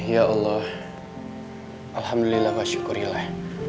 ya allah alhamdulillah wa syukurillah